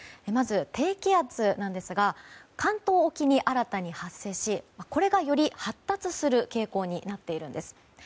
まず、低気圧なんですが関東沖に新たに発生しこれがより発達する傾向になっているんです。